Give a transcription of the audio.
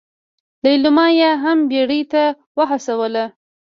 ليلما يې هم بيړې ته وهڅوله.